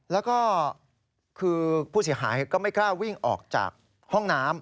แล้วก็คือผู้เสียหายก็ไม่กล้าวิ่งออกจากห้องน้ำ